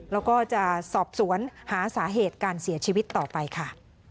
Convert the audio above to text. แล้วก็จะสอบสวนหาสาเหตุการเสียชีวิตต่อไปค่ะ